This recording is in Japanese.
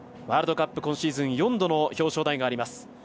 ワールドカップ今シーズン４度の表彰台があります。